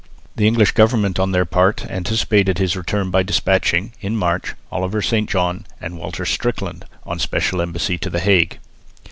The English government on their part anticipated his return by despatching, in March, Oliver St John and Walter Strickland on a special embassy to the Hague.